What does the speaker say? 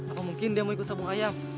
atau mungkin dia mau ikut sabung ayam